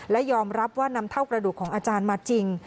และยอมรับว่านำเท่ากระดูกของอาจารย์มาจริง